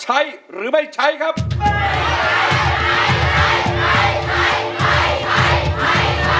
ทั้งในเรื่องของการทำงานเคยทำนานแล้วเกิดปัญหาน้อย